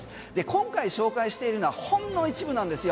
今回紹介しているのはほんの一部なんですよ。